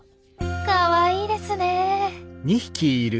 かわいいですね。